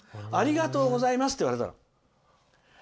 ありがとうございますって言われたの。